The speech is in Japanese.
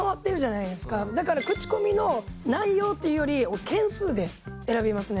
だから口コミの内容っていうより件数で選びますね。